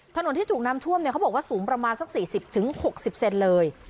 ถนนที่ถูกน้ำท่วมเนี่ยเขาบอกว่าสูงประมาณสัก๔๐๖๐เซนเลย